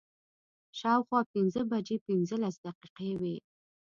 شا او خوا پنځه بجې پنځلس دقیقې وې.